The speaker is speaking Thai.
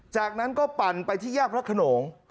จากนั้นก็ปั่นไปที่แยกพระขนง